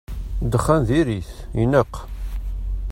Ddexxan diri-t, ineqq.